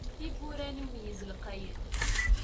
Tiwwura n umeyyez lqayen.